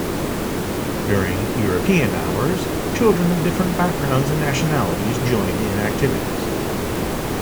During "European hours", children of different backgrounds and nationalities join in activities.